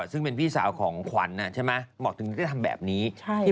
ซึ่งเป็นพี่สาวของขวัญใช่ไหมหมอกถึงจะทำแบบนี้